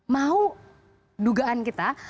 mau dugaan kita